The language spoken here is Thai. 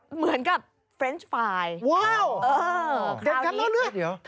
เหมือนกับเฟรนช์ฟายเด็กกันแล้ว